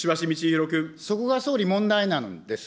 そこが総理、問題になるんです。